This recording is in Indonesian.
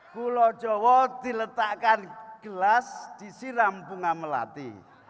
pulau jawa diletakkan gelas disiram bunga melati